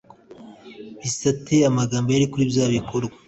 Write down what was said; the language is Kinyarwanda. bisate amagambo yari kuri bya bikorwa